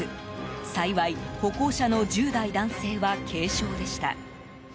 幸い、歩行者の１０代男性は軽傷でした。